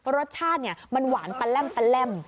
รสชาตินี่มันหวานปันแหลม